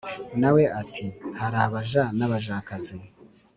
Nawe ati"harabaja nabajakazi